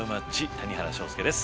谷原章介です。